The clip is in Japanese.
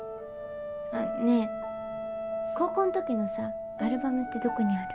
あねぇ高校の時のさアルバムってどこにある？